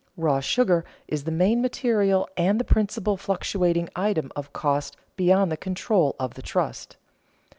Raw sugar is the main material and the principal fluctuating item of cost beyond the control of the trust.